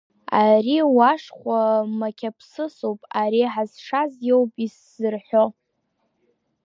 Ари Уашхәа мақьаԥсысуп, ари ҳазшаз иоуп исзырҳәо.